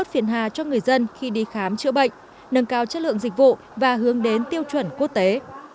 trong tương lai từ mô hình bệnh viện không giấy tờ sẽ có phần nâng cao năng lực điều hành và hiện đại hóa các bệnh viện không giấy tờ